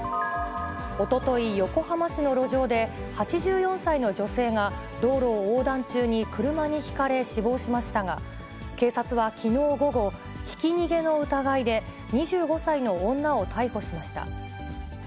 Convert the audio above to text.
おととい、横浜市の路上で、８４歳の女性が道路を横断中に車にひかれ死亡しましたが、警察はきのう午後、ひき逃げの疑いで２５歳の女を逮捕しました。